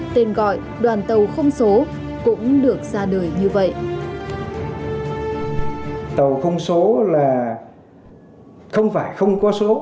tên gọi đổ sơn hải phòng